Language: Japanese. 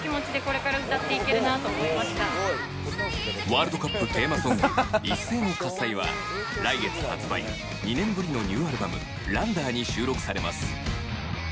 ワールドカップテーマソング『一斉ノ喝采』は来月発売２年ぶりのニューアルバム『ＬＡＮＤＥＲ』に収録されます。